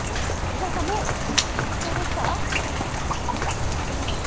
岡江さん、もう完成ですか？